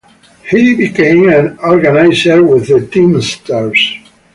He became an organizer with the Teamsters.